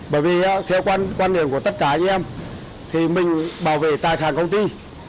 bởi vì theo quan điểm của tất cả anh em thì mình bảo vệ tài sản công ty